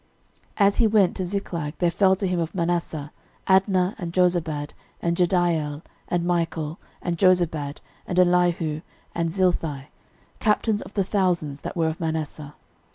13:012:020 As he went to Ziklag, there fell to him of Manasseh, Adnah, and Jozabad, and Jediael, and Michael, and Jozabad, and Elihu, and Zilthai, captains of the thousands that were of Manasseh.